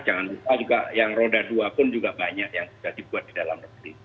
jangan lupa juga yang roda dua pun juga banyak yang sudah dibuat di dalam negeri